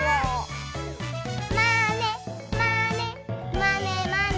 「まねまねまねまね」